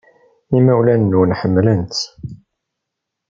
Imawlan-nwen ḥemmlen-tt.